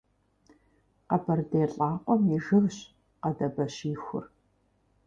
Къэбэрдей лӀакъуэм и жыгщ къэдабэщихур.